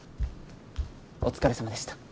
お疲れさまでした。